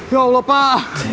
ya allah pak